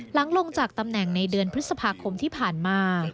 ลงจากตำแหน่งในเดือนพฤษภาคมที่ผ่านมา